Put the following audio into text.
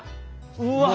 うわ！